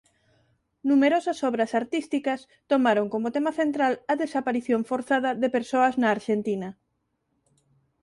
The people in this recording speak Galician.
Numerosas obras artísticas tomaron como tema central a desaparición forzada de persoas na Arxentina.